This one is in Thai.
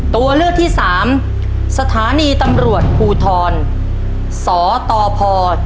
ตัวเลือกที่สามสถานีตำรวจภูทรสตพ